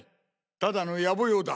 ただの野暮用だ。